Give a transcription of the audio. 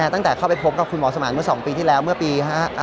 ตั้งแต่เข้าไปพบกับคุณหมอสมานเมื่อ๒ปีที่แล้วเมื่อปี๕๘